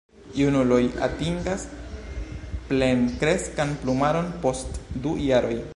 Junuloj atingas plenkreskan plumaron post du jaroj.